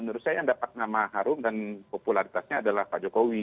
menurut saya yang dapat nama harum dan popularitasnya adalah pak jokowi